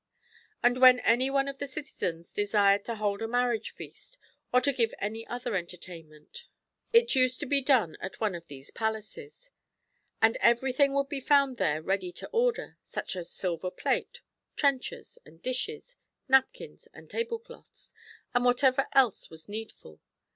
And when any one of the citizens desired to hold a marriage feast, or to give any other entertainment, it used to be done at one of these palaces. And everything would be found there ready to order, such as silver plate, trenchers and dishes, [napkins and table cloths], and whatever else was needful.